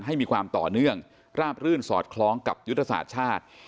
ให้มีความต่อเนื่องราบรื่นสอดคล้องกับยุทธศาสตร์ชาติ